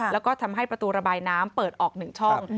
แล้วก็ทำให้ประตูระบายน้ำเปิดออก๑ช่อง